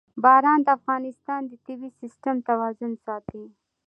باران د افغانستان د طبعي سیسټم توازن ساتي.